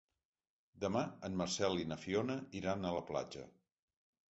Demà en Marcel i na Fiona iran a la platja.